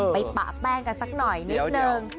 ปะแป้งกันสักหน่อยนิดนึง